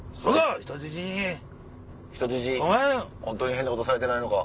「人質ホントに変なことされてないのか？」。